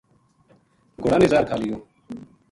گھوڑاں نے زہر کھا لیو